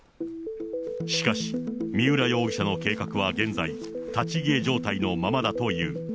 しかし、三浦容疑者の計画は現在、立ち消え状態のままだという。